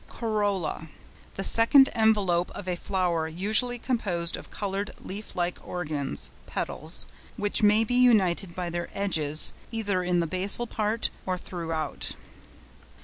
COROLLA.—The second envelope of a flower usually composed of coloured, leaf like organs (petals), which may be united by their edges either in the basal part or throughout.